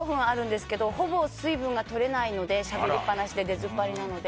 １時間４５分あるんですけどほぼ水分がとれないのでしゃべりっぱなしで出ずっぱりなので。